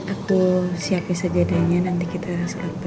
aku siapin sejadinya nanti kita sholat bareng ya